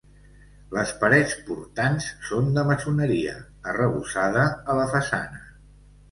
Les parets portants són de maçoneria, arrebossada a la façana.